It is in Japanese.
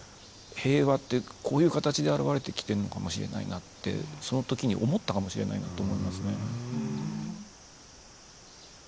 平和ってこういう形で表れてきてるのかもしれないなってその時に思ったかもしれないなと思いますね。